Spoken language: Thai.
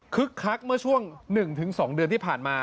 คักเมื่อช่วง๑๒เดือนที่ผ่านมา